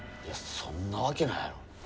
そんなわけないやろ。